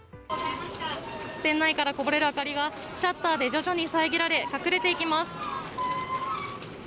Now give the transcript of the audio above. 店内からこぼれる明かりがシャッターで徐々に遮られ隠れていきます。